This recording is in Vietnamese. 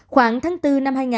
khoảng tháng bốn năm hai nghìn